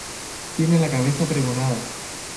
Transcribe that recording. tiene la cabeza pregonada.